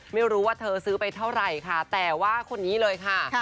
ไม่รู้ว่าเธอซื้อไปเท่าไหร่ค่ะแต่ว่าคนนี้เลยค่ะ